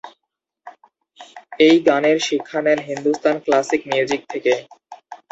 গানের শিক্ষা নেন হিন্দুস্থান ক্লাসিক মিউজিক থেকে।